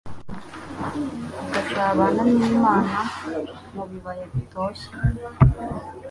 agasabana n'Imana mu bibaya bitoshye